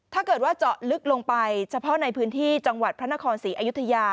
ถ้าเกิดว่าเจาะลึกลงไปเฉพาะในพื้นที่จังหวัดพระนครศรีอยุธยา